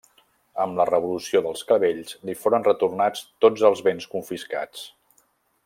Amb la revolució dels Clavells li foren retornats tots els béns confiscats.